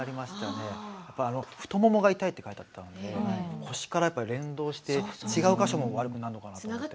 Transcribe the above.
「太ももが痛い」って書いてあったので腰から連動して違う箇所も悪くなるのかなと思って。